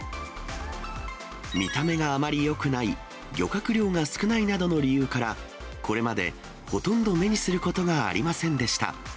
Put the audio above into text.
見た目があまりよくない、漁獲量が少ないなどの理由から、これまでほとんど目にすることがありませんでした。